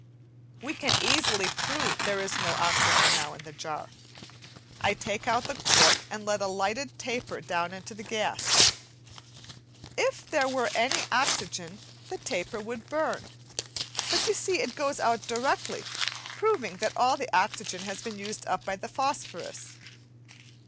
We can easily prove that there is no oxygen now in the jar. I take out the cork and let a lighted taper down into the gas. If there were any oxygen the taper would burn, but you see it goes out directly proving that all the oxygen has been used up by the phosphorous.